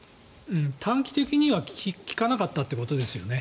短期的には効かなかったということですよね。